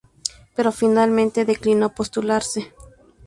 Pero finalmente declinó postularse.